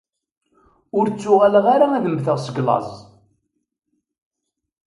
Ur ttuɣaleɣ ara ad mmteɣ seg llaẓ.